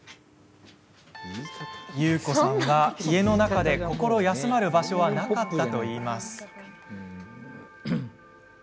ゆうこさんは家の中で心休まる場所はなかったといいます。